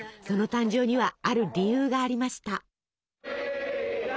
その誕生にはある理由がありました。